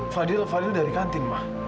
fadil fadil dari kantin pak